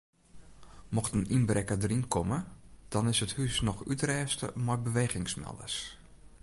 Mocht in ynbrekker deryn komme dan is it hús noch útrêste mei bewegingsmelders.